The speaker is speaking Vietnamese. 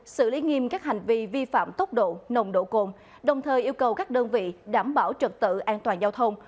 xử lý nghiêm các hành vi vi phạm tốc độ nồng độ cồn đồng thời yêu cầu các đơn vị đảm bảo trật tự an toàn giao thông